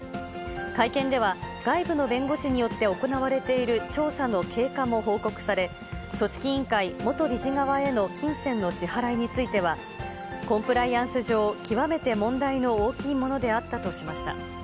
会見では、外部の弁護士によって行われている調査の経過も報告され、組織委員会元理事側への金銭の支払いについては、コンプライアンス上、極めて問題の大きいものであったとしました。